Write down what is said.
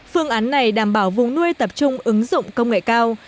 phương án này đảm bảo vùng nuôi tập trung ứng dụng công nghệ cao